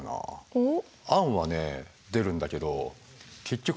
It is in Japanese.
おっ。